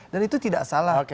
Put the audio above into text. dan itu tidak salah